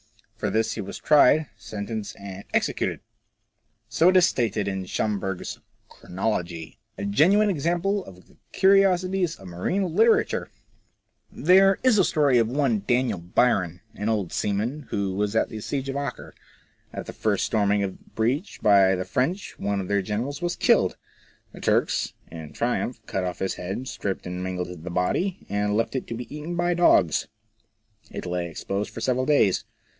For this he was tried, sentenced, and executed ! So it is stated in Schomberg's " Chronology." A genuine example of the curiosities of marine literature ! There is a story of one Daniel Bryan, an old seaman, who was at the Siege of Acre. At the first storming of the breach by the French, one of their generals was killed. The Turks in triumph cut off his head, stripped and mangled the body, and left it to be eaten by dogs. It lay exposed for several days.